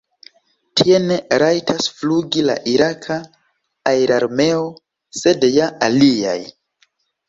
Tie ne rajtas flugi la iraka aerarmeo, sed ja aliaj.